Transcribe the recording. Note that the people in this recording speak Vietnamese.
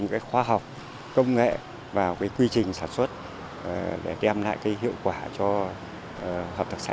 những khoa học công nghệ và quy trình sản xuất để đem lại hiệu quả cho hợp tác xã